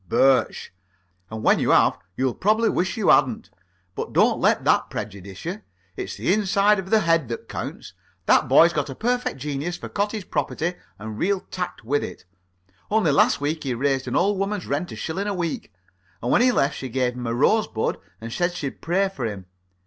BIRSCH: And when you have you'll probably wish you hadn't. But don't let that prejudice you. It's the inside of the head that counts. That boy's got a perfect genius for cottage property and real tact with it. Only last week he raised an old woman's rent a shilling a week, and when he left she gave him a rosebud and said she'd pray for him.